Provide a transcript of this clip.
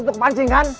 bisa untuk pancing kan